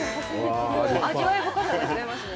もう味わい深さが違いますね。